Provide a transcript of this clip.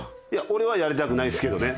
俺はやりたくないですけどね。